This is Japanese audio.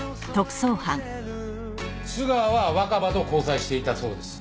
須川は若葉と交際していたそうです。